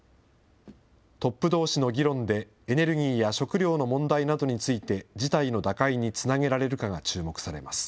トップどうしの議論で、エネルギーや食料の問題などについて事態の打開につなげられるかが注目されます。